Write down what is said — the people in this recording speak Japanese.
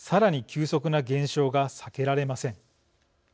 急速な減少が避けられません。